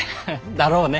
だろうね！